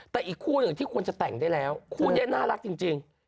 แต่อีกคู่หนึ่งที่ควรจะแต่งได้แล้วคู่นี้น่ารักจริง